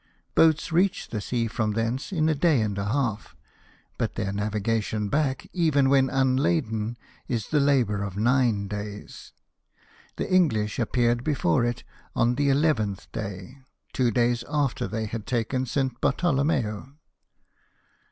Boats reach the sea from thence in a day and a half; but their navigation back, even when unladen, is the labour of nine days. The English appeared before it on the eleventh, two days after they had taken St. Barto lomeo.